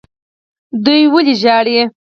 دوی ولې ژاړي.